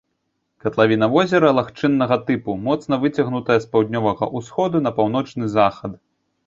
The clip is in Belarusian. Катлавіна возера лагчыннага тыпу, моцна выцягнутая з паўднёвага ўсходу на паўночны захад.